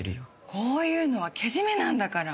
こういうのはけじめなんだから。